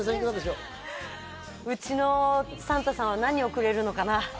うちのサンタさんは何をくれるのかな？